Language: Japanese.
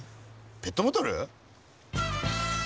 ペットボトル？